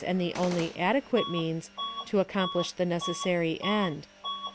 and the only adequate means, to accomplish the necessary end.